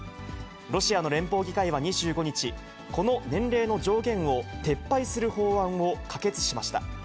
ロシアの連邦議会は２５日、この年齢の上限を撤廃する法案を可決しました。